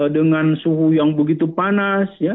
dengan suhu yang begitu panas